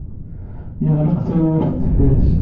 Yeɣleq tawwurt deffir-s.